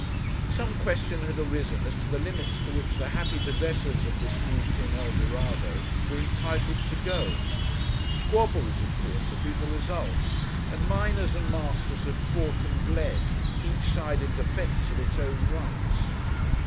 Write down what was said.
Some question had arisen as to the limits to which the happy possessors of this new tin El Dorado were entitled to go; squabbles, of course, had been the result, and miners and masters had fought and bled, each side in defence of its own rights.